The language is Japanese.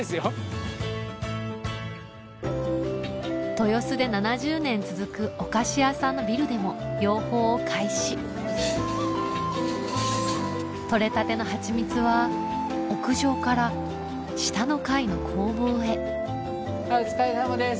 豊洲で７０年続くお菓子屋さんのビルでも養蜂を開始取れたてのはちみつは屋上から下の階の工房へお疲れさまです。